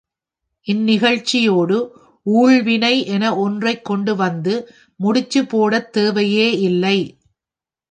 இந்நிகழ்ச்சியோடு ஊழ்வினை என ஒன்றைக் கொண்டு வந்து முடிச்சு போடத் தேவையே இல்லை.